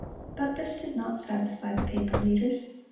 But this did not satisfy the papal leaders.